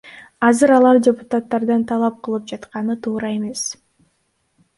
Азыр алар депутаттардан талап кылып жатканы туура эмес.